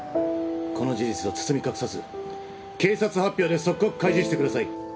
この事実は包み隠さず警察発表で即刻開示してください